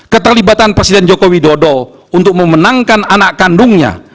keterlibatan presiden joko widodo untuk memenangkan anak kandungnya